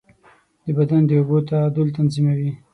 د بدن د اوبو تعادل تنظیموي.